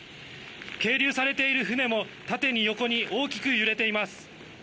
係留されている船も縦に横に大きく揺れています。